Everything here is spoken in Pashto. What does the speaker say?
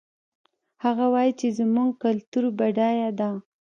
هغه وایي چې زموږ کلتور بډایه ده